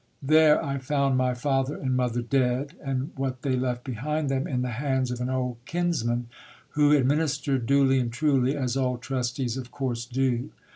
There I fcund my father and mother dead, and what they left behind them in the hands of an old kinsman, who administered duly and truly, as all trustees of course do.